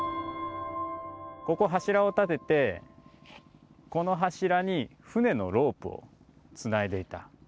ここ柱を立ててこの柱に船のロープをつないでいた跡なんですね。